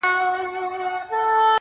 خون د کومي پېغلي دي په غاړه سو آسمانه٫